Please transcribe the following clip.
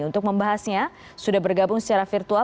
untuk membahasnya sudah bergabung secara virtual